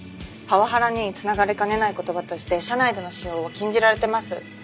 パワハラに繋がりかねない言葉として社内での使用は禁じられてます。